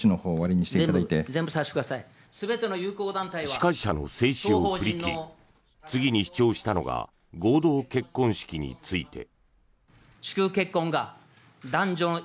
司会者の制止を振り切り次に主張したのが合同結婚式について。